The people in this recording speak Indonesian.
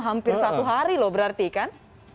hampir satu hari loh berarti kan